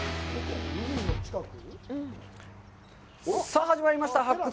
さあ始まりました「発掘！